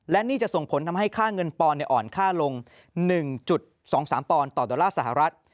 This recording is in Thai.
และนี่จะส่งผลทำให้ค่าเงินปอนด์อ่อนค่าลง๑๒๓ปอนด์ต่อดอลลาร์สหรัฐ